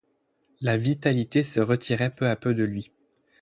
La vitalité se retirait peu à peu de lui.